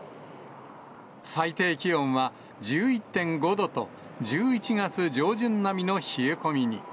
最低気温は１１．５度と、１１月上旬並みの冷え込みに。